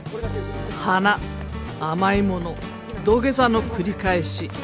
花甘い物土下座の繰り返し」